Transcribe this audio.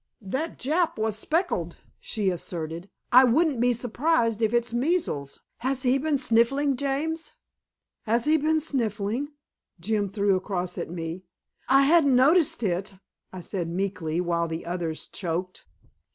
"That Jap was speckled," she asserted. "I wouldn't be surprised if it's measles. Has he been sniffling, James?" "Has he been sniffling?" Jim threw across at me. "I hadn't noticed it," I said meekly, while the others choked.